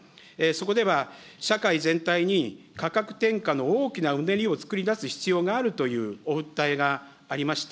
そこでは、社会全体に価格転嫁の大きなうねりを作り出す必要があるというお訴えがありました。